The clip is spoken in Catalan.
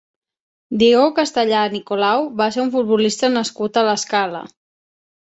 Diego Castellà Nicolau va ser un futbolista nascut a l'Escala.